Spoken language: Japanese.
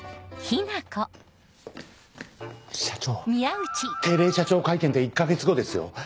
社長定例社長会見って１か月後ですよ。